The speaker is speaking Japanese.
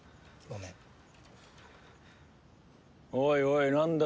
おいおいなんだ？